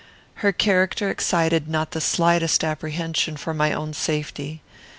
Her character excited not the slightest apprehension for my own safety.